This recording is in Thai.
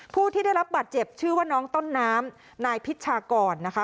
ผู้ที่ได้รับบาดเจ็บชื่อว่าน้องต้นน้ำนายพิชากรนะคะ